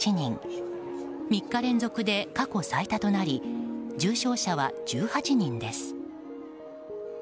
３日連続で過去最多となり重症者は１８人です。